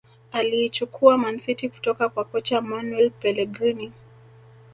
Aliichukua Man City kutoka kwa kocha Manuel Pelegrini